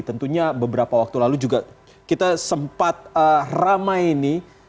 tentunya beberapa waktu lalu juga kita sempat ramai ini